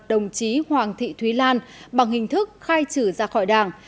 đồng chí hoàng thị thúy lan bằng hình thức khai trừ ra khỏi đảng